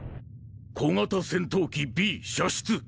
小型戦闘機ビー射出。